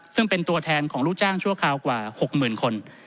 ซึ่งเป็นตัวแทนของลูกจ้างชั่วคราวกว่า๖๐๐๐คน